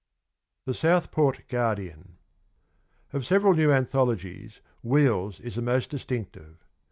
THE SOUTHPORT GUARDIAN. Of several new anthologies, ' Wheels ' is the most distinc tive.